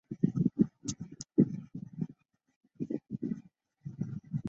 担仔面是一种发源于台湾台南的小吃。